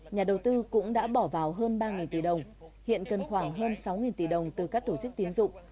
nhà đầu tư cũng đã bỏ vào hơn ba tỷ đồng hiện cần khoảng hơn sáu tỷ đồng từ các tổ chức tiến dụng